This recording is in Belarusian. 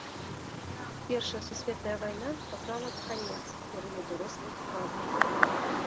Першая сусветная вайна паклала канец перыяду росквіту фабрыкі.